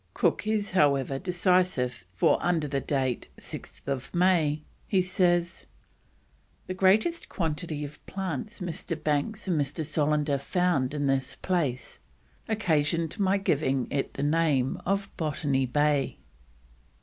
Cook is however, decisive, for under date 6th May he says: "The great quantity of plants Mr. Banks and Dr. Solander found in this place occasioned my giving it the name of Botany Bay."